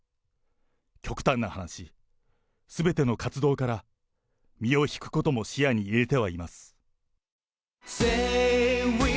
極端な話、すべての活動から身を引くことも視野に入れてはいます。